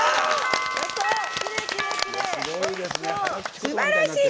すばらしい！